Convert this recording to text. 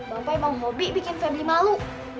bapak emang hobi bikin febri malu